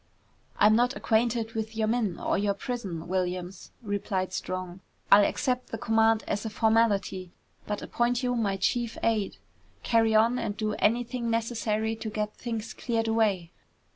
"I'm not acquainted with your men, or your prison, Williams," replied Strong. "I'll accept the command as a formality but appoint you my chief aid. Carry on and do anything necessary to get things cleared away."